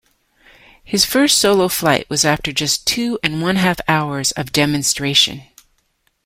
His first solo flight was after just two and one-half hours of demonstration.